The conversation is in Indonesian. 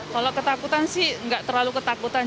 kalau ketakutan sih nggak terlalu ketakutan